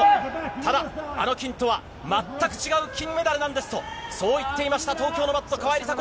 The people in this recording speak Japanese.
ただ、あの金とは全く違う金メダルなんですと、そう言っていました、東京のマット、川井梨紗子。